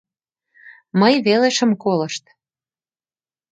Мый веле шым колышт.